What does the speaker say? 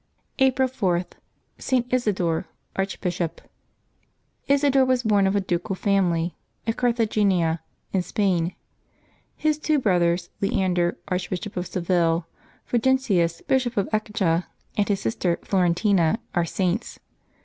April 4.— ST. ISIDORE, Archbishop. XsiDORE was born of a ducal family, at Carthagena in Spain. His two brothers, Leander, Archbishop of Seville, Fulgentius, Bishop of Ecija, and his sister Floren tina, are Saints.